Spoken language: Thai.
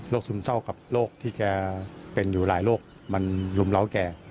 ซึมเศร้ากับโรคที่แกเป็นอยู่หลายโรคมันรุมเล้าแก